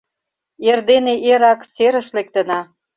Эрдене эреак серыш лектына.